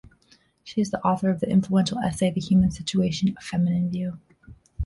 She is the author of the influential essay "The Human Situation: A Feminine View".